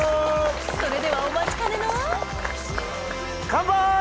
それではお待ちかねのカンパイ！